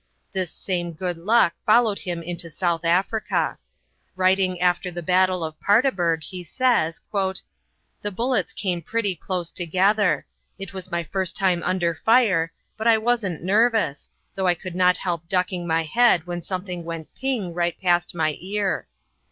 This same good luck followed him into South Africa. Writing after the battle of Paardeberg, he says: "The bullets came pretty close together. It was my first time under fire, but I wasn't nervous, though I could not help ducking my head when something went 'ping' right past my ear.